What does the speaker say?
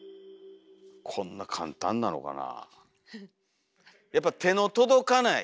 こんな簡単なのかな。